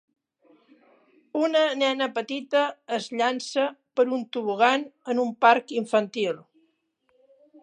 Una nena petita es llança per un tobogan en un parc infantil.